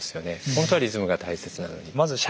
ほんとはリズムが大切なのにと。